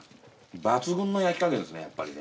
抜群の焼き加減ですねやっぱりね。